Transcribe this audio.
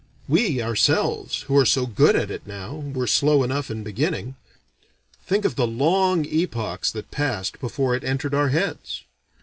We ourselves, who are so good at it now, were slow enough in beginning. Think of the long epochs that passed before it entered our heads.